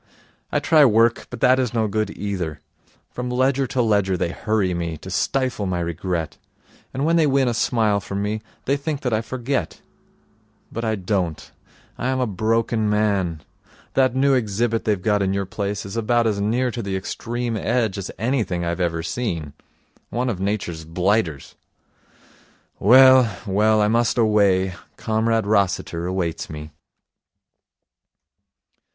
I try work, but that is no good either. From ledger to ledger they hurry me, to stifle my regret. And when they win a smile from me, they think that I forget. But I don't. I am a broken man. That new exhibit they've got in your place is about as near to the Extreme Edge as anything I've ever seen. One of Nature's blighters. Well, well, I must away. Comrade Rossiter awaits me.'